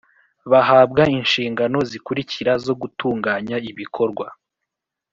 bahabwa inshingano zikurikira zo gutunganya ibikorwa